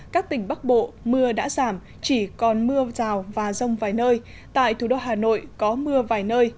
các tỉnh bắc bộ mưa đã giảm chỉ còn mưa rào và rông vài nơi tại thủ đô hà nội có mưa vài nơi